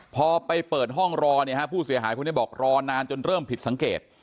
พอไปเปิดห้องรอเนี่ยฮะผู้เสียหายคนนี้บอกรอนานจนเริ่มผิดสังเกต